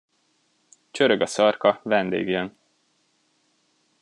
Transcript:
Csörög a szarka, vendég jön.